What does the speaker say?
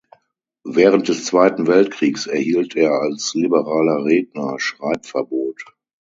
Während des Zweiten Weltkriegs erhielt er als liberaler Redner Schreibverbot.